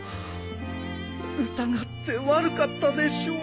疑って悪かったでしょう。